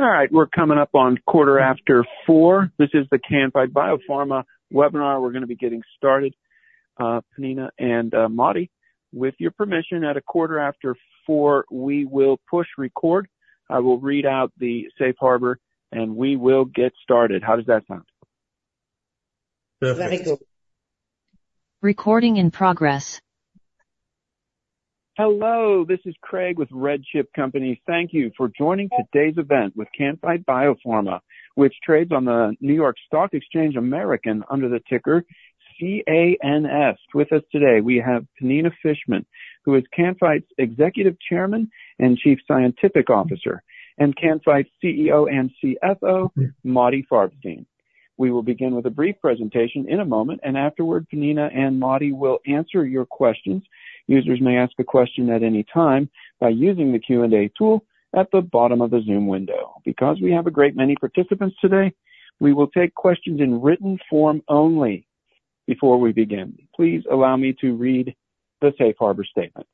All right, we're coming up on quarter after four. This is the Can-Fite BioPharma webinar. We're going to be getting started. Pnina and, Moti, with your permission, at a quarter after four, we will push record. I will read out the safe harbor, and we will get started. How does that sound? Perfect. Very good. Recording in progress. Hello, this is Craig with RedChip Companies. Thank you for joining today's event with Can-Fite BioPharma, which trades on the NYSE American under the ticker CANF. With us today, we have Pnina Fishman, who is Can-Fite's Executive Chairman and Chief Scientific Officer, and Can-Fite's CEO and CFO, Moti Farbstein. We will begin with a brief presentation in a moment, and afterward, Pnina and Moti will answer your questions. Users may ask a question at any time by using the Q&A tool at the bottom of the Zoom window. Because we have a great many participants today, we will take questions in written form only. Before we begin, please allow me to read the safe harbor statement.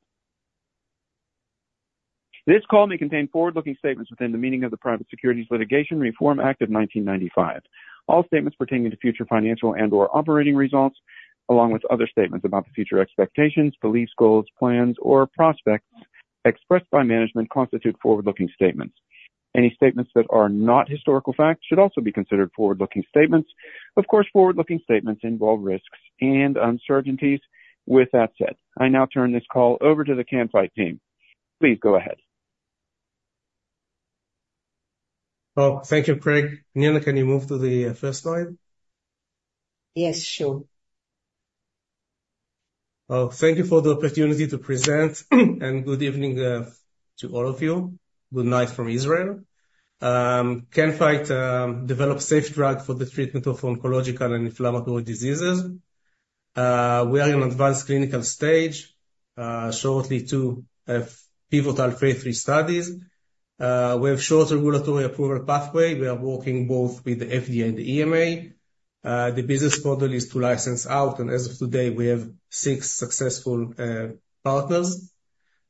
This call may contain forward-looking statements within the meaning of the Private Securities Litigation Reform Act of 1995. All statements pertaining to future financial and/or operating results, along with other statements about the future expectations, beliefs, goals, plans, or prospects expressed by management, constitute forward-looking statements. Any statements that are not historical facts should also be considered forward-looking statements. Of course, forward-looking statements involve risks and uncertainties. With that said, I now turn this call over to the Can-Fite team. Please go ahead. Oh, thank you, Craig. Pnina, can you move to the first slide? Yes, sure. Oh, thank you for the opportunity to present, and good evening, to all of you. Good night from Israel. Can-Fite develops safe drug for the treatment of oncological and inflammatory diseases. We are in advanced clinical stage, shortly to pivotal phase III studies. We have short regulatory approval pathway. We are working both with the FDA and EMA. The business model is to license out, and as of today, we have six successful partners.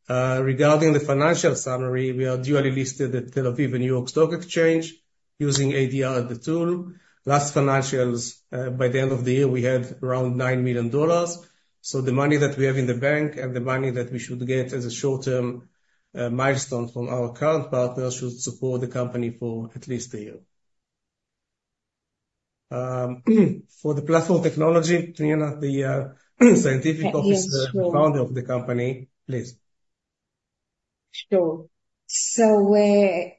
Regarding the financial summary, we are duly listed at Tel Aviv and New York Stock Exchange using ADR as the tool. Last financials, by the end of the year, we had around $9 million. So the money that we have in the bank and the money that we should get as a short-term milestone from our current partners should support the company for at least a year. For the platform technology, Pnina, the scientific officer. Yes, sure. Founder of the company. Please. Sure. So,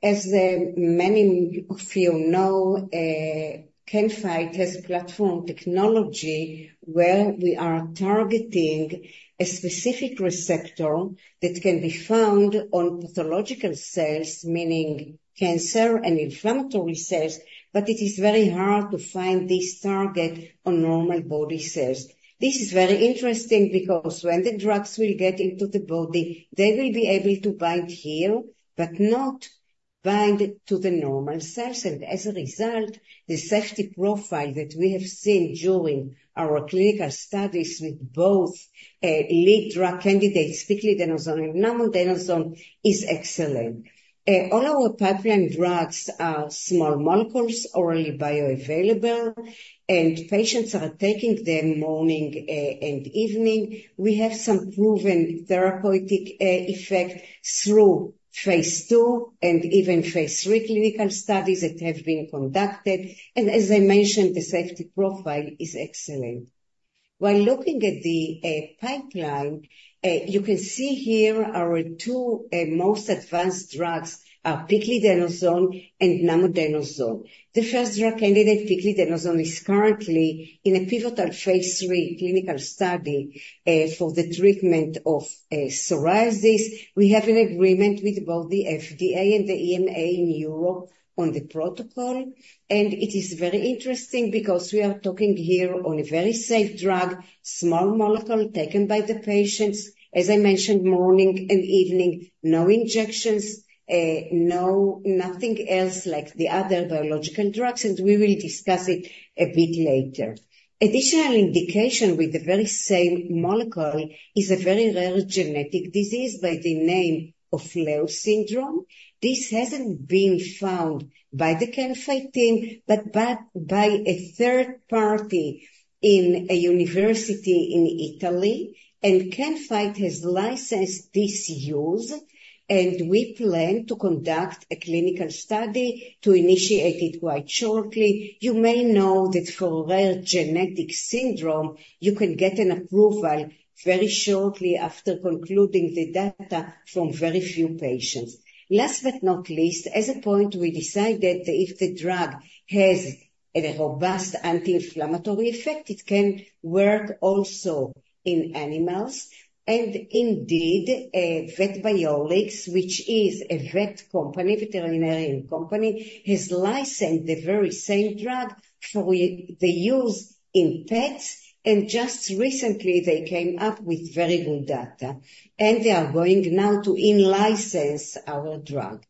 as many of you know, Can-Fite has platform technology, where we are targeting a specific receptor that can be found on pathological cells, meaning cancer and inflammatory cells, but it is very hard to find this target on normal body cells. This is very interesting because when the drugs will get into the body, they will be able to bind here, but not bind to the normal cells, and as a result, the safety profile that we have seen during our clinical studies with both lead drug candidates, Piclidenoson and Namodenoson, is excellent. All our pipeline drugs are small molecules, orally bioavailable, and patients are taking them morning and evening. We have some proven therapeutic effect through phase II and even phase III clinical studies that have been conducted. And as I mentioned, the safety profile is excellent. While looking at the pipeline, you can see here our two most advanced drugs are Piclidenoson and Namodenoson. The first drug candidate, Piclidenoson, is currently in a pivotal phase III clinical study for the treatment of psoriasis. We have an agreement with both the FDA and the EMA in Europe on the protocol, and it is very interesting because we are talking here on a very safe drug, small molecule, taken by the patients, as I mentioned, morning and evening. No injections, no nothing else like the other biological drugs, and we will discuss it a bit later. Additional indication with the very same molecule is a very rare genetic disease by the name of Lowe Syndrome. This hasn't been found by the Can-Fite team, but by a third party in a university in Italy, and Can-Fite has licensed this use, and we plan to conduct a clinical study to initiate it quite shortly. You may know that for rare genetic syndrome, you can get an approval very shortly after concluding the data from very few patients. Last but not least, as a point, we decided that if the drug has a robust anti-inflammatory effect, it can work also in animals and indeed, Vetbiolix, which is a vet company, veterinarian company, has licensed the very same drug for the use in pets, and just recently, they came up with very good data, and they are going now to in-license our drug.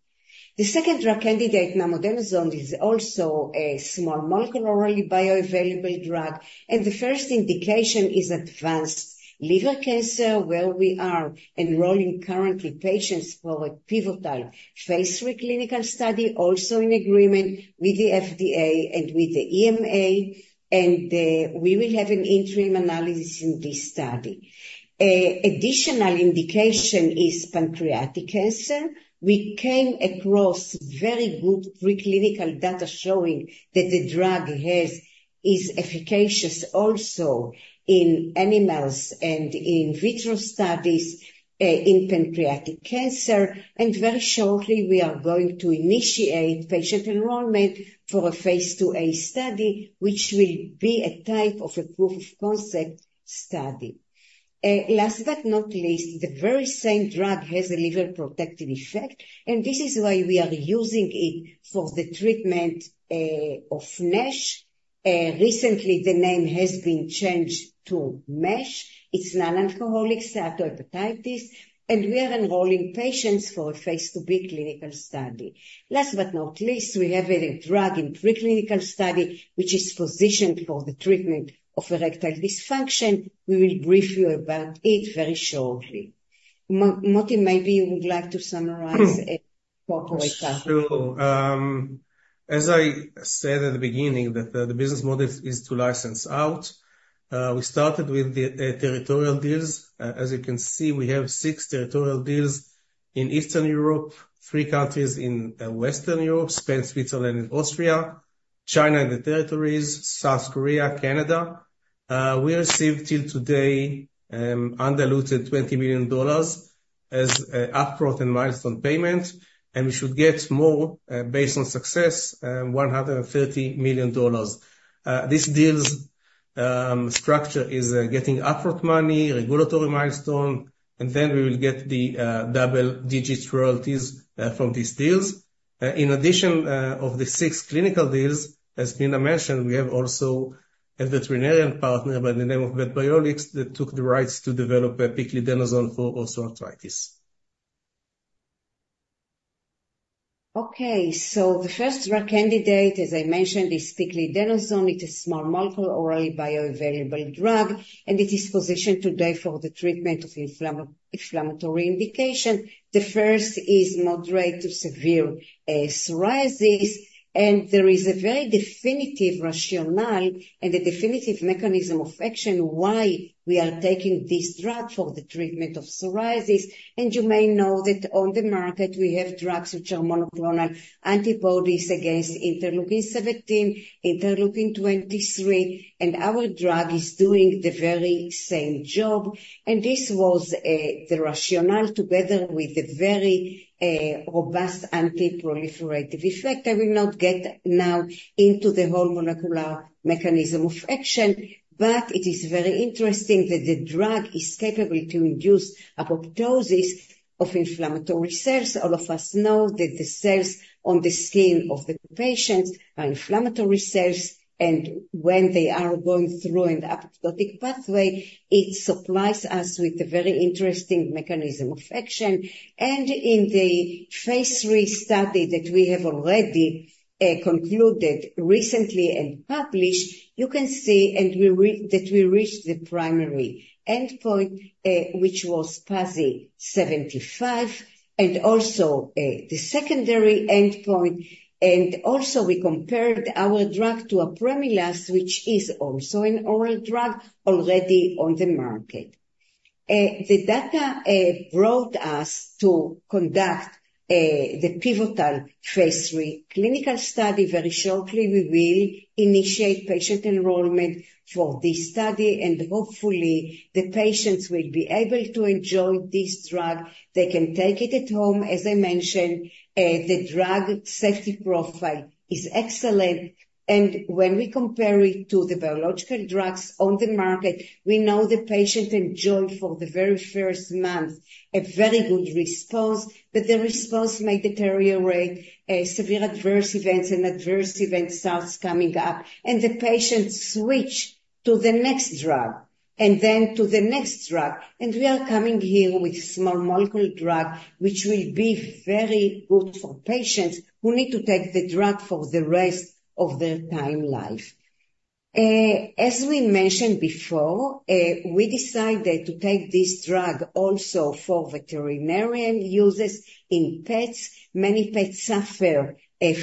The second drug candidate, namodenoson, is also a small molecule orally bioavailable drug, and the first indication is advanced liver cancer, where we are enrolling currently patients for a pivotal phase III clinical study, also in agreement with the FDA and with the EMA, and we will have an interim analysis in this study. Additional indication is pancreatic cancer. We came across very good preclinical data showing that the drug is efficacious also in animals and in vitro studies in pancreatic cancer, and very shortly, we are going to initiate patient enrollment for a phase IIa study, which will be a type of a proof of concept study. Last but not least, the very same drug has a liver protective effect, and this is why we are using it for the treatment of NASH. Recently, the name has been changed to MASH. It's non-alcoholic steatohepatitis, and we are enrolling patients for a phase IIB clinical study. Last but not least, we have a drug in preclinical study, which is positioned for the treatment of erectile dysfunction. We will brief you about it very shortly. Moti, maybe you would like to summarize corporate data. Sure. As I said at the beginning, that, the business model is to license out. We started with the, territorial deals. As you can see, we have six territorial deals in Eastern Europe, three countries in, Western Europe, Spain, Switzerland, and Austria, China, and the territories, South Korea, Canada. We received till today, undiluted $20 million as, upfront and milestone payment, and we should get more, based on success, $130 million. This deals, structure is, getting upfront money, regulatory milestone, and then we will get the, double-digit royalties, from these deals. In addition, of the six clinical deals, as Pnina mentioned, we have also a veterinarian partner by the name of Vetbiolix, that took the rights to develop, Piclidenoson for osteoarthritis. Okay, so the first drug candidate, as I mentioned, is Piclidenoson. It's a small molecule, orally bioavailable drug, and it is positioned today for the treatment of inflammatory indication. The first is moderate to severe psoriasis, and there is a very definitive rationale and a definitive mechanism of action why we are taking this drug for the treatment of psoriasis. And you may know that on the market, we have drugs which are monoclonal antibodies against interleukin-17, interleukin-23, and our drug is doing the very same job. And this was the rationale, together with the very robust antiproliferative effect. I will not get now into the whole molecular mechanism of action, but it is very interesting that the drug is capable to induce apoptosis of inflammatory cells. All of us know that the cells on the skin of the patients are inflammatory cells, and when they are going through an apoptotic pathway, it supplies us with a very interesting mechanism of action. And in the phase III study that we have already concluded recently and published, you can see that we reached the primary endpoint, which was PASI 75, and also the secondary endpoint. And also, we compared our drug to Apremilast, which is also an oral drug already on the market. The data brought us to conduct the pivotal phase III clinical study. Very shortly, we will initiate patient enrollment for this study, and hopefully, the patients will be able to enjoy this drug. They can take it at home. As I mentioned, the drug safety profile is excellent, and when we compare it to the biological drugs on the market, we know the patient enjoy for the very first month, a very good response, but the response may deteriorate, severe adverse events and adverse event starts coming up, and the patients switch to the next drug and then to the next drug. We are coming here with small molecule drug, which will be very good for patients who need to take the drug for the rest of their lifetime. As we mentioned before, we decided to take this drug also for veterinary uses in pets. Many pets suffer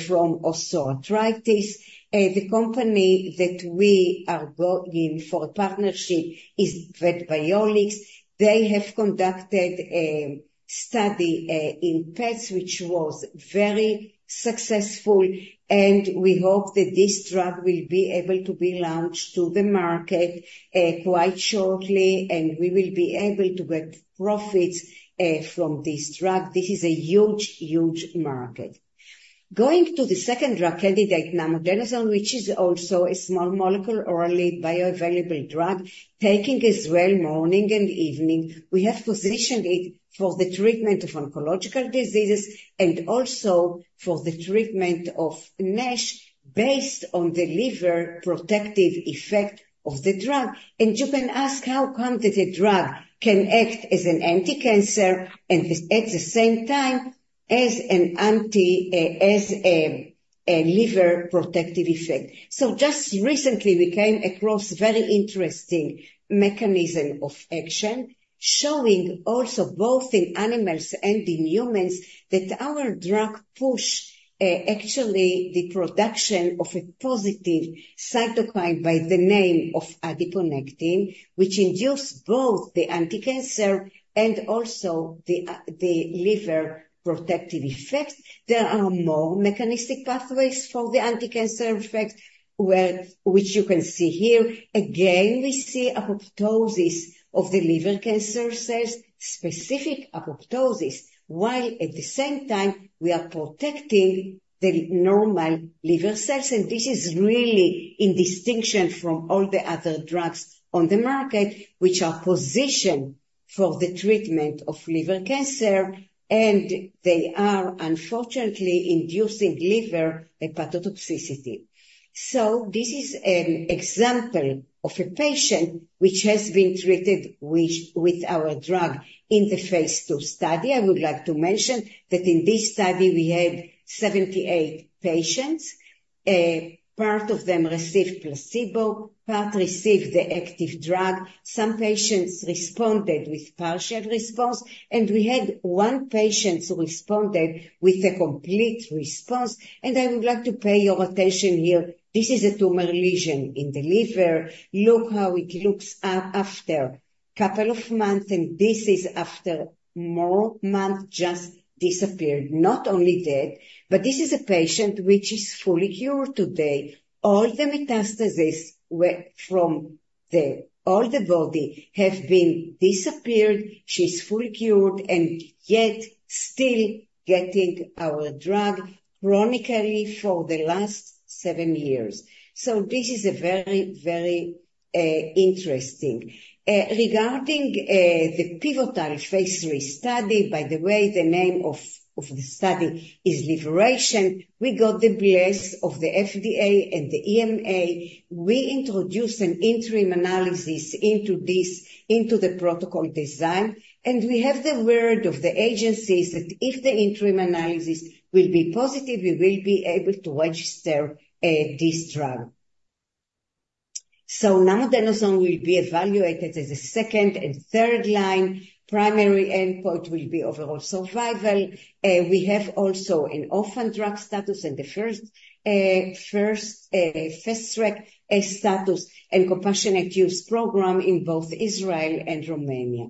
from osteoarthritis. The company that we are going for a partnership is Vetbiolix. They have conducted a study in pets, which was very successful, and we hope that this drug will be able to be launched to the market quite shortly, and we will be able to get profits from this drug. This is a huge, huge market. Going to the second drug candidate, namodenoson, which is also a small molecule, orally bioavailable drug, taking as well, morning and evening. We have positioned it for the treatment of oncological diseases and also for the treatment of NASH, based on the liver protective effect of the drug. You can ask, how come that a drug can act as an anticancer and at the same time as a liver protective effect. So just recently, we came across very interesting mechanism of action, showing also both in animals and in humans, that our drug pushes actually the production of a positive cytokine by the name of adiponectin, which induces both the anticancer and also the liver protective effect. There are more mechanistic pathways for the anticancer effect, which you can see here. Again, we see apoptosis of the liver cancer cells, specific apoptosis. While at the same time we are protecting the normal liver cells, and this is really in distinction from all the other drugs on the market, which are positioned for the treatment of liver cancer, and they are unfortunately inducing liver hepatotoxicity. So this is an example of a patient which has been treated with our drug in the phase II study. I would like to mention that in this study we had 78 patients. Part of them received placebo, part received the active drug. Some patients responded with partial response, and we had one patient who responded with a complete response. I would like to pay your attention here. This is a tumor lesion in the liver. Look how it looks after couple of months, and this is after more months, just disappeared. Not only that, but this is a patient which is fully cured today. All the metastasis were from the... All the body have been disappeared. She's fully cured and yet still getting our drug chronically for the last 7 years. So this is a very, very interesting. Regarding the pivotal phase III study, by the way, the name of the study is Liveration. We got the blessing of the FDA and the EMA. We introduced an interim analysis into this, into the protocol design, and we have the word of the agencies that if the interim analysis will be positive, we will be able to register this drug. So Namodenoson will be evaluated as a second and third line. Primary endpoint will be overall survival. We have also an orphan drug status and the first fast track status and compassionate use program in both Israel and Romania.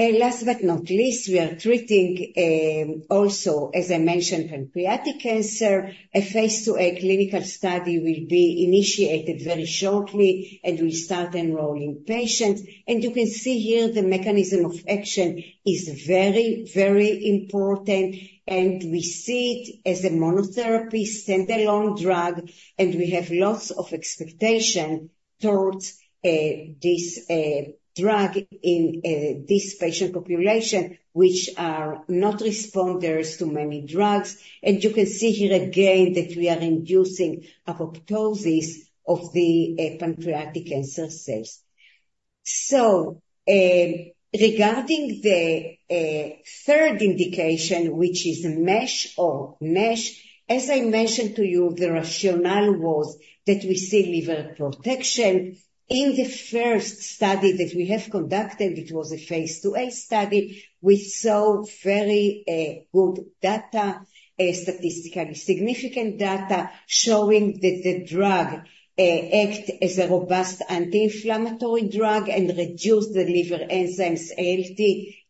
And last but not least, we are treating also, as I mentioned, pancreatic cancer. A phase IIa clinical study will be initiated very shortly, and we start enrolling patients. And you can see here the mechanism of action is very, very important, and we see it as a monotherapy standalone drug, and we have lots of expectation towards this drug in this patient population, which are not responders to many drugs. And you can see here again that we are inducing apoptosis of the pancreatic cancer cells. So, regarding the third indication, which is MASH, as I mentioned to you, the rationale was that we see liver protection. In the first study that we have conducted, it was a phase IIa study. We saw very good data, statistically significant data, showing that the drug act as a robust anti-inflammatory drug and reduce the liver enzymes, ALT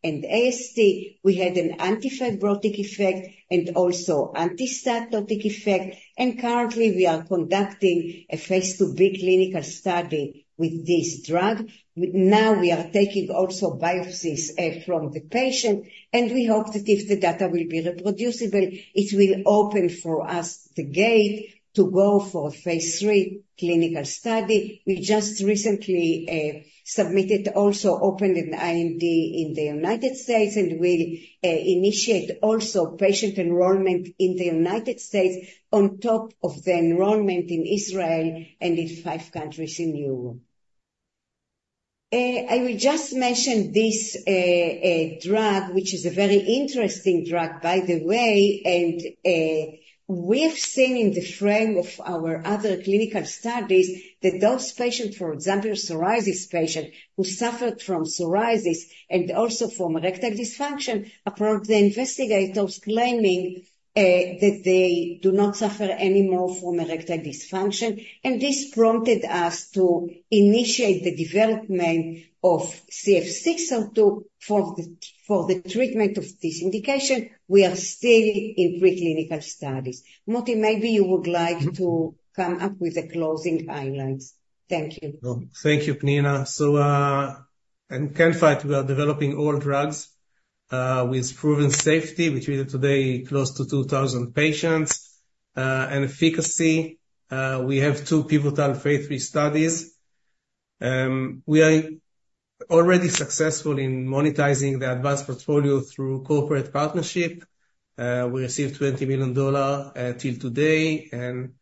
and AST. We had an antifibrotic effect and also anti-steatotic effect, and currently, we are conducting a phase IIb clinical study with this drug. Now we are taking also biopsies from the patient, and we hope that if the data will be reproducible, it will open for us the gate to go for phase III clinical study. We just recently submitted, also opened an IND in the United States, and we initiate also patient enrollment in the United States on top of the enrollment in Israel and in five countries in Europe. I will just mention this drug, which is a very interesting drug, by the way. We have seen in the frame of our other clinical studies that those patients, for example, psoriasis patients who suffered from psoriasis and also from erectile dysfunction, approached the investigators claiming that they do not suffer anymore from erectile dysfunction. This prompted us to initiate the development of CF602 for the treatment of this indication. We are still in preclinical studies. Moti, maybe you would like to come up with the closing highlights. Thank you. Thank you, Pnina. So, in Can-Fite, we are developing all drugs with proven safety, which is today close to 2,000 patients, and efficacy. We have two pivotal phase III studies. We are already successful in monetizing the advanced portfolio through corporate partnership. We received $20 million till today, and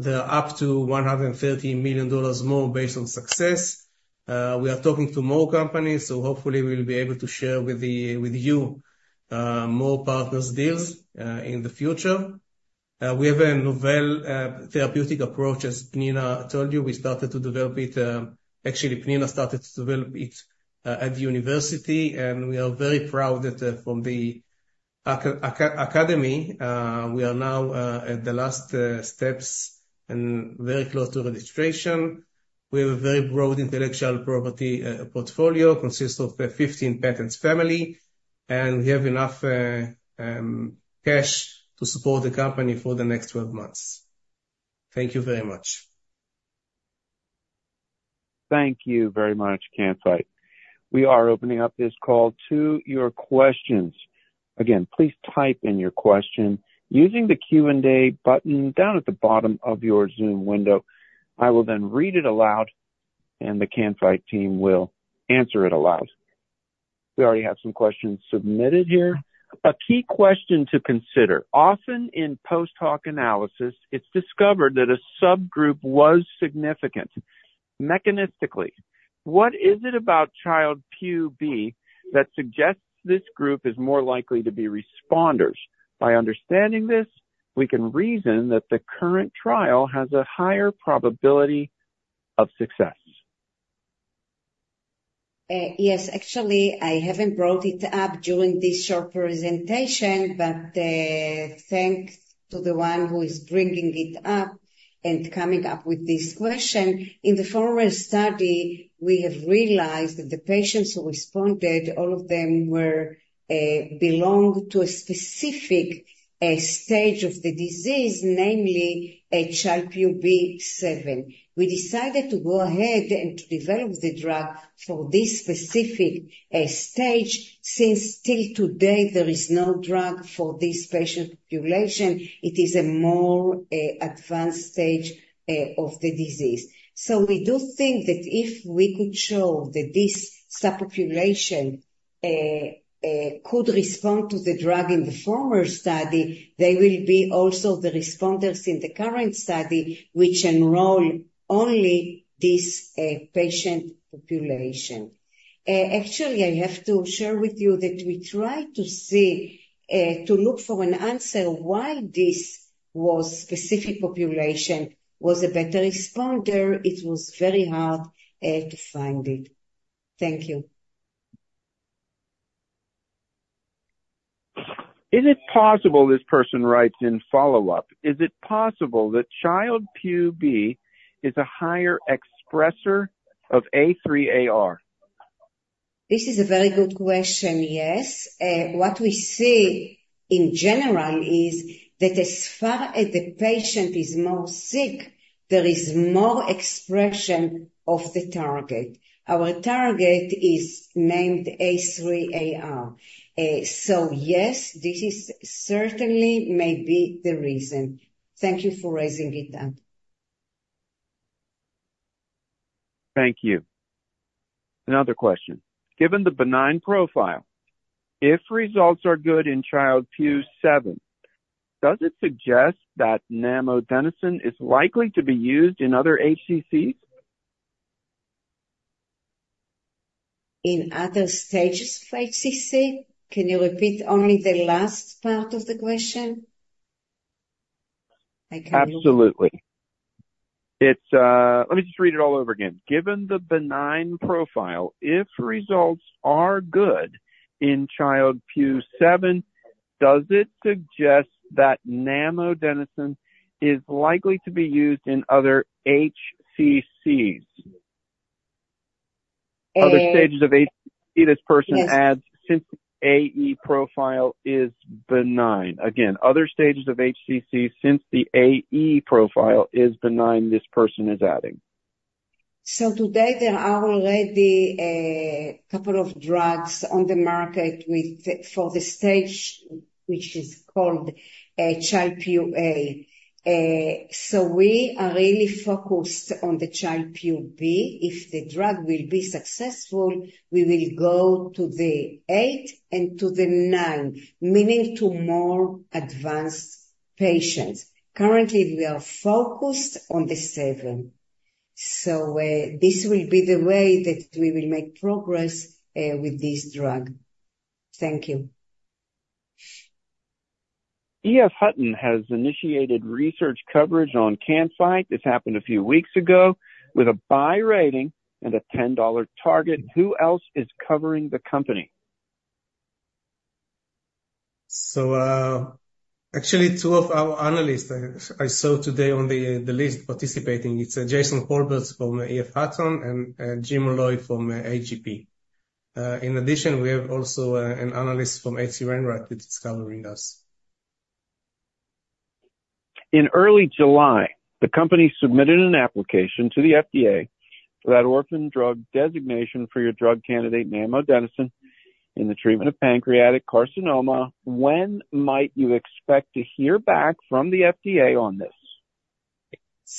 they're up to $113 million more based on success. We are talking to more companies, so hopefully we'll be able to share with the- with you more partners deals in the future. We have a novel therapeutic approach. As Pnina told you, we started to develop it. Actually, Pnina started to develop it at the university, and we are very proud that from the academy we are now at the last steps and very close to registration. We have a very broad intellectual property portfolio consists of 15 patents family, and we have enough cash to support the company for the next 12 months. Thank you very much. Thank you very much, Can-Fite. We are opening up this call to your questions. Again, please type in your question using the Q&A button down at the bottom of your Zoom window. I will then read it aloud, and the Can-Fite team will answer it aloud. We already have some questions submitted here. A key question to consider, often in post-hoc analysis, it's discovered that a subgroup was significant. Mechanistically, what is it about Child-Pugh B that suggests this group is more likely to be responders? By understanding this, we can reason that the current trial has a higher probability of success. Yes. Actually, I haven't brought it up during this short presentation, but, thanks to the one who is bringing it up and coming up with this question. In the former study, we have realized that the patients who responded, all of them were, belonged to a specific, stage of the disease, namely Child-Pugh B 7. We decided to go ahead and develop the drug for this specific, stage, since till today there is no drug for this patient population. It is a more, advanced stage, of the disease. So we do think that if we could show that this subpopulation, could respond to the drug in the former study, they will be also the responders in the current study, which enroll only this, patient population. Actually, I have to share with you that we tried to look for an answer why this specific population was a better responder. It was very hard to find it. Thank you. Is it possible, this person writes in follow-up, that Child-Pugh B is a higher expressor of A3AR? This is a very good question. Yes. What we see in general is that as far as the patient is more sick, there is more expression of the target. Our target is named A3AR. So yes, this is certainly may be the reason. Thank you for raising it up.. Thank you. Another question: Given the benign profile, if results are good in Child-Pugh seven, does it suggest that namodenoson is likely to be used in other HCCs? In other stages of HCC? Can you repeat only the last part of the question? I can't- Absolutely. Let me just read it all over again. Given the benign profile, if results are good in Child-Pugh 7, does it suggest that Namodenoson is likely to be used in other HCCs? Uh- Other stages of AE, this person adds, since AE profile is benign. Again, other stages of HCC since the AE profile is benign, this person is adding. So today, there are already a couple of drugs on the market with for the stage, which is called Child-Pugh A. So we are really focused on the Child-Pugh B. If the drug will be successful, we will go to the 8 and to the 9, meaning to more advanced patients. Currently, we are focused on the 7, so this will be the way that we will make progress with this drug. Thank you. EF Hutton has initiated research coverage on Can-Fite. This happened a few weeks ago with a buy rating and a $10 target. Who else is covering the company? Actually, two of our analysts I saw today on the list participating. It's Jason Kolbert from EF Hutton and Jim Molloy from AGP. In addition, we have also an analyst from H.C. Wainwright that's covering us. In early July, the company submitted an application to the FDA for that orphan drug designation for your drug candidate, Namodenosone, in the treatment of pancreatic carcinoma. When might you expect to hear back from the FDA on this?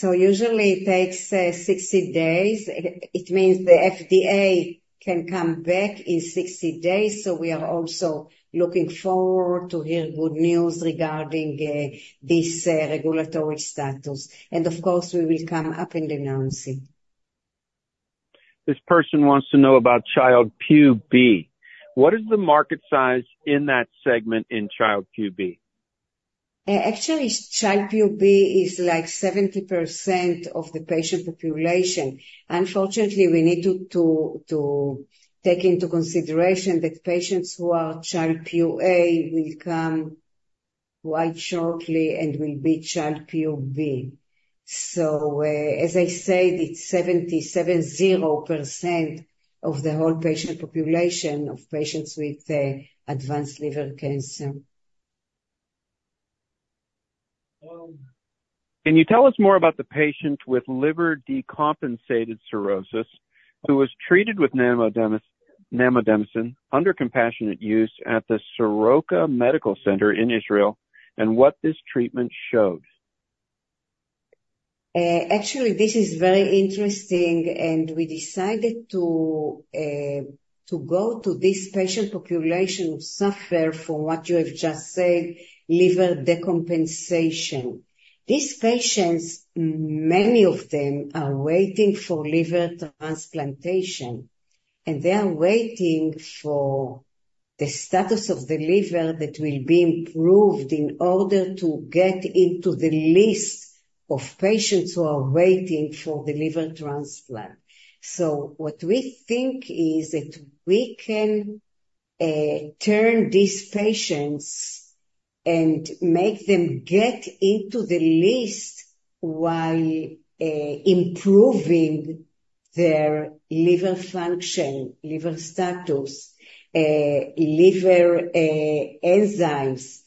Usually it takes 60 days. It means the FDA can come back in 60 days. We are also looking forward to hear good news regarding this regulatory status. Of course, we will come up and announce it. This person wants to know about Child-Pugh B. What is the market size in that segment in Child-Pugh B? Actually, Child-Pugh B is like 70% of the patient population. Unfortunately, we need to take into consideration that patients who are Child-Pugh A will come quite shortly and will be Child-Pugh B. So, as I said, it's 70% of the whole patient population of patients with advanced liver cancer. Can you tell us more about the patient with liver decompensated cirrhosis, who was treated with namodenosone under compassionate use at the Soroka Medical Center in Israel, and what this treatment showed? Actually, this is very interesting, and we decided to go to this patient population who suffer from what you have just said, liver decompensation. These patients, many of them, are waiting for liver transplantation, and they are waiting for the status of the liver that will be improved in order to get into the list of patients who are waiting for the liver transplant. So what we think is that we can turn these patients and make them get into the list while improving their liver function, liver status, liver enzymes.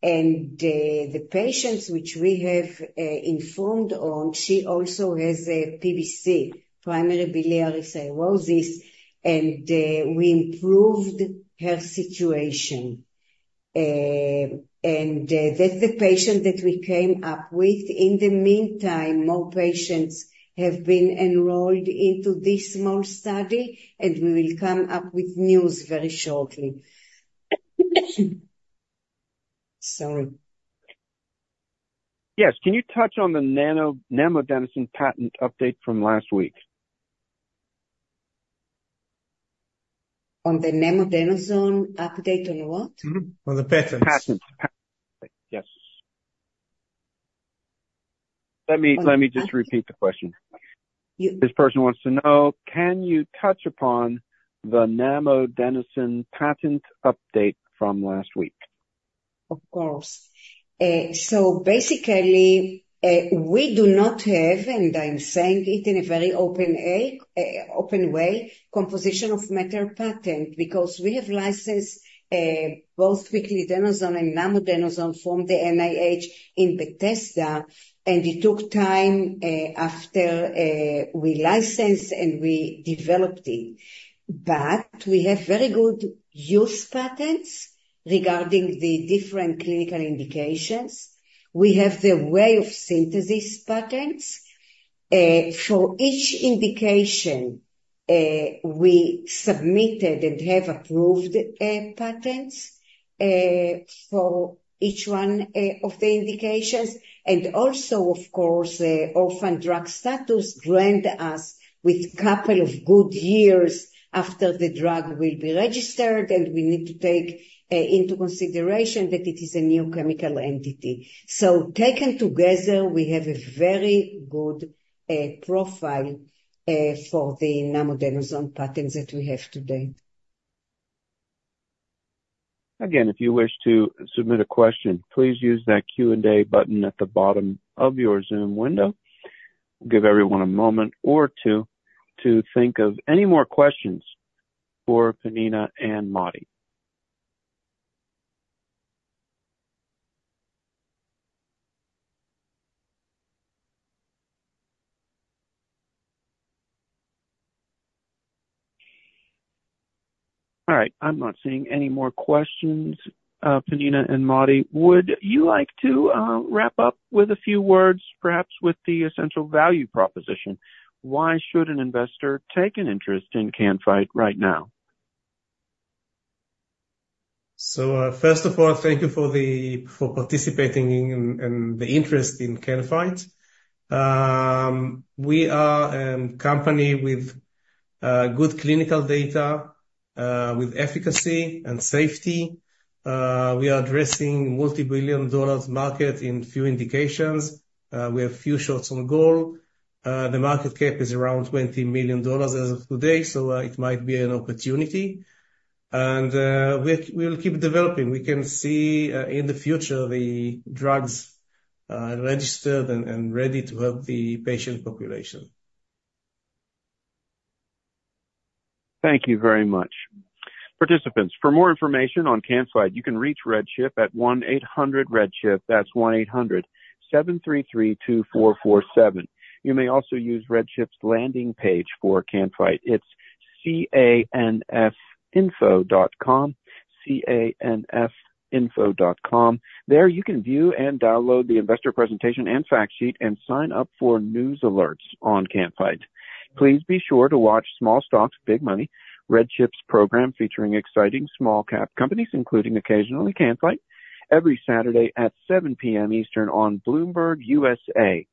And the patients which we have informed on, she also has a PBC, primary biliary cirrhosis, and we improved her situation. And that's the patient that we came up with. In the meantime, more patients have been enrolled into this small study, and we will come up with news very shortly. Sorry. Yes. Can you touch on the Namodenoson patent update from last week? On the namodenoson update on what? Mm-hmm. On the patent. Patent, patent. Yes. Let me, let me just repeat the question. You- This person wants to know, can you touch upon the Namodenoson patent update from last week? Of course. So basically, we do not have, and I'm saying it in a very open way, composition of matter patent, because we have licensed both piclidenoson and namodenoson from the NIH in Bethesda, and it took time after we licensed and we developed it. But we have very good use patents regarding the different clinical indications. We have the way of synthesis patents. For each indication, we submitted and have approved patents for each one of the indications. And also, of course, the orphan drug status grant us with couple of good years after the drug will be registered, and we need to take into consideration that it is a new chemical entity. So taken together, we have a very good profile for the namodenoson patents that we have today. Again, if you wish to submit a question, please use that Q&A button at the bottom of your Zoom window. Give everyone a moment or two to think of any more questions for Pnina and Motti. All right. I'm not seeing any more questions. Pnina and Motti, would you like to wrap up with a few words, perhaps with the essential value proposition? Why should an investor take an interest in Can-Fite right now? First of all, thank you for participating in the interest in Can-Fite. We are company with good clinical data with efficacy and safety. We are addressing multibillion dollars market in few indications. We have few shots on goal. The market cap is around $20 million as of today, so it might be an opportunity. We will keep developing. We can see in the future the drugs registered and ready to help the patient population. Thank you very much. Participants, for more information on Can-Fite, you can reach RedChip at 1-800-REDCHIP. That's 1-800-733-2447. You may also use RedChip's landing page for Can-Fite. It's canfinfo.com, canfinfo.com. There you can view and download the investor presentation and fact sheet and sign up for news alerts on Can-Fite. Please be sure to watch Small Stocks, Big Money, RedChip's program featuring exciting small cap companies, including occasionally Can-Fite, every Saturday at 7 P.M. Eastern on Bloomberg USA.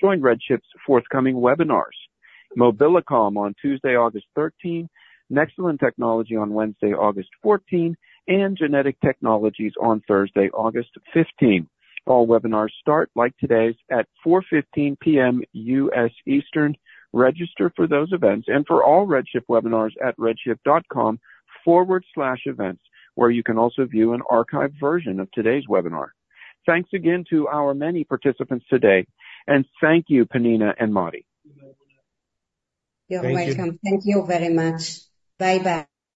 Join RedChip's forthcoming webinars. Mobilicom on Tuesday, August 13, Nexalin Technology on Wednesday, August 14, and Genetic Technologies on Thursday, August 15. All webinars start, like today's, at 4:15 P.M., U.S. Eastern. Register for those events and for all RedChip webinars at redchip.com/events, where you can also view an archived version of today's webinar. Thanks again to our many participants today. Thank you, Pnina and Motti. You're welcome. You're welcome. Thank you. Thank you very much. Bye-bye.